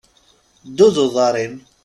Ddu d uḍaṛ-im!